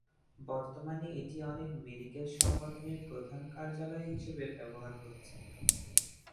বর্তমানে এটি অনেক মেডিকেল সংগঠনের প্রধান কার্যালয় হিসাবে ব্যবহার হচ্ছে।